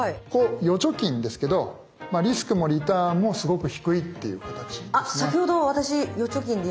預貯金ですけどリスクもリターンもすごく低いっていう形ですね。